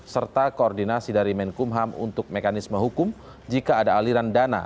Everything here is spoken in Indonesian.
serta koordinasi dari menkumham untuk mekanisme hukum jika ada aliran dana